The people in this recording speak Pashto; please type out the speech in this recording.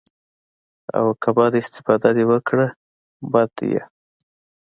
او که بده استفاده دې وکړه بد ديه.